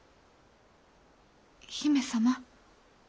姫様。